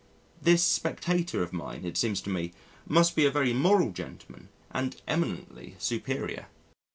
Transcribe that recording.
This spectator of mine, it seems to me, must be a very moral gentleman and eminently superior.